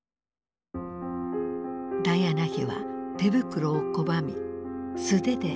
ダイアナ妃は手袋を拒み素手で患者と触れ合った。